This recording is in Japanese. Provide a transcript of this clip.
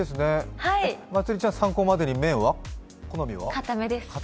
まつりちゃん、参考までに麺の好みは？